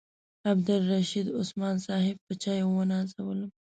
عبدالرشید عثمان صاحب په چایو ونازولم.